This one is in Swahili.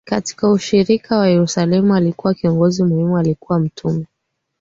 Katika ushirika wa Yerusalemu alikuwa kiongozi muhimu Alikuwa Mtume